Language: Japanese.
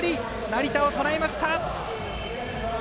成田を捉えました！